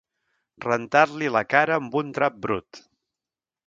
Rentar-li la cara amb un drap brut.